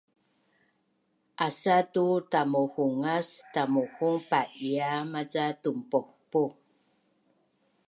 Asatu tamuhungas tamuhungpa’ia maca tunpohpuh